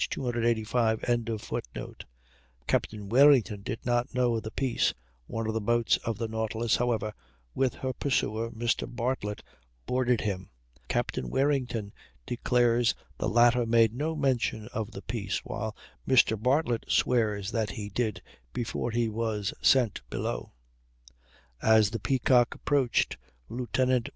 285.] Captain Warrington did not know of the peace; one of the boats of the Nautilus, however, with her purser, Mr. Bartlett, boarded him. Captain Warrington declares the latter made no mention of the peace, while Mr. Bartlett swears that he did before he was sent below. As the Peacock approached, Lieut.